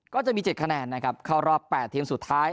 ก็จะมี๗คะแนนนะครับเข้ารอบ๘ทีมสุดท้าย